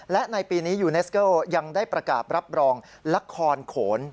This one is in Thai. และในปีนี้ยูเนสเกิลยังได้ประกาศรับรองละครโขน